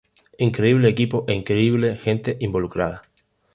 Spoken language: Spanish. Increíble equipo e increíble gente involucrada.